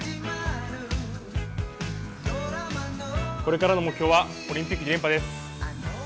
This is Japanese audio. これからの目標はオリンピック２連覇です。